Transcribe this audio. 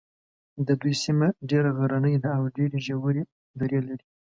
د دوی سیمه ډېره غرنۍ ده او ډېرې ژورې درې لري.